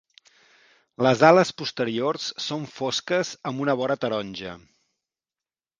Les ales posteriors són fosques amb una vora taronja.